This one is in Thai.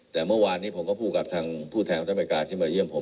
แต่เมื่อวานนี้ผมก็พูดกับทางผู้แทนของอเมริกาที่มาเยี่ยมผม